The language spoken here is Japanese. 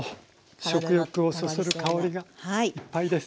食欲をそそる香りがいっぱいです。